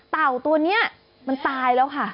เต่าตัวนี้มันตายแล้วค่ะ